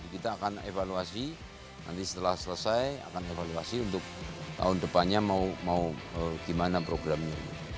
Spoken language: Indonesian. kita akan evaluasi nanti setelah selesai akan evaluasi untuk tahun depannya mau gimana programnya